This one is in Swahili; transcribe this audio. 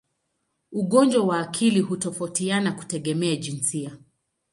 Ugonjwa wa akili hutofautiana kutegemea jinsia.